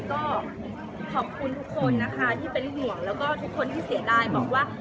ก็ขอบคุณทุกคนนะคะที่เป็นห่วงแล้วก็ทุกคนที่เสียดายบอกว่า